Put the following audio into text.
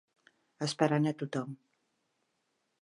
Esperant a tothom.